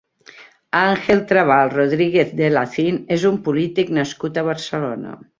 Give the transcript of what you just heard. Ángel Traval Rodríguez de Lacín és un polític nascut a Barcelona.